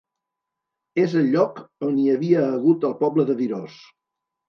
És el lloc on hi havia hagut el poble de Virós.